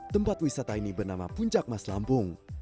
tempat wisata ini bernama puncak mas lampung